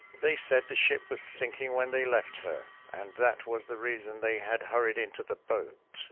They said the ship was sinking when they left her, and that was the reason they had hurried into the boat.